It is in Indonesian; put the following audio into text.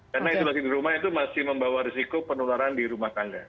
karena isolasi di rumah itu masih membawa risiko penularan di rumah tangga